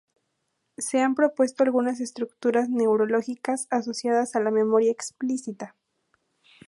Se han propuesto algunas estructuras neurológicas asociadas a la memoria explícita.